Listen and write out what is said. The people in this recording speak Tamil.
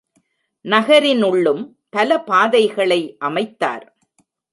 நகரினுள்ளும் பல பாதைகளை அமைத்தார்.